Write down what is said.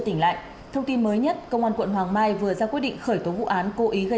tỉnh lại thông tin mới nhất công an quận hoàng mai vừa ra quyết định khởi tố vụ án cố ý gây